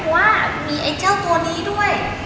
ว่ามีไอ้เจ้าตัวนี้ด้วย